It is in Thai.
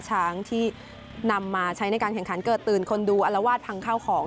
ช้างที่นำมาใช้ในการแข่งขันเกิดตื่นคนดูอลวาดพังข้าวของ